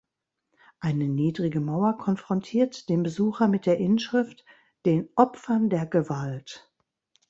Eine niedrige Mauer konfrontiert den Besucher mit der Inschrift „Den Opfern der Gewalt“.